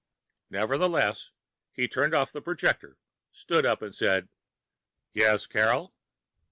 Nevertheless, he turned off the projector, stood up, and said, "Yes, Carol?"